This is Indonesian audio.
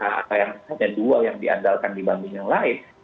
atau yang hanya dua yang diandalkan dibanding yang lain